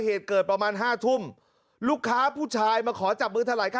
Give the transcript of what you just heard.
เหตุเกิดประมาณห้าทุ่มลูกค้าผู้ชายมาขอจับมือเท่าไห้